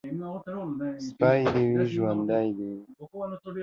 سپى دي وي ، ژوندى دي وي.